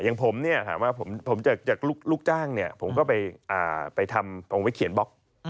อย่างผมผมจากลูกจ้างผมก็ไปทำผมไปเขียนบล็อก